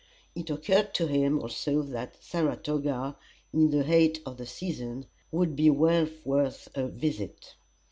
It occurred to him also that Saratoga, in the height of the season, would be well worth a visit.